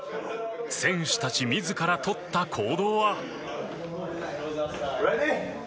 選手たち自らとった行動は。